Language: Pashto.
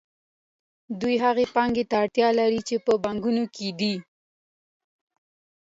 دوی هغې پانګې ته اړتیا لري چې په بانکونو کې ده